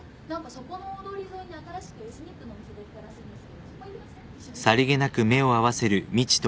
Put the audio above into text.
そこの大通り沿いに新しくエスニックのお店できたらしいんですけどそこ行きません？